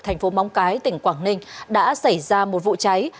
thành phố móng cái tỉnh quảng ninh đã xảy ra một vụ cháy